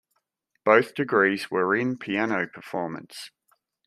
Both degrees were in Piano Performance.